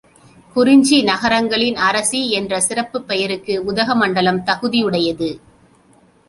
குறிஞ்சி நகரங்களின் அரசி என்ற சிறப்புப் பெயருக்கு உதகமண்டலம் தகுதியுடையது.